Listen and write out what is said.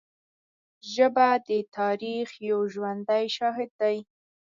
ژبه د تاریخ یو ژوندی شاهد دی